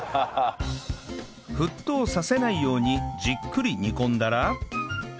沸騰させないようにじっくり煮込んだら